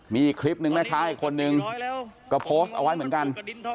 มีคลิปหนึ่งแม่ชายอีกคนหนึ่งก็โพสต์เอาไว้เหมือนกัน